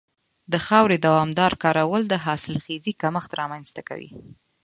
د خاورې دوامداره کارول د حاصلخېزۍ کمښت رامنځته کوي.